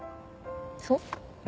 そう？